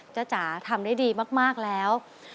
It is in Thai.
จ๋าทำได้ดีมากแล้ว